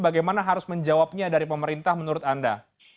bagaimana harus menjawabnya dari pemerintah menurut anda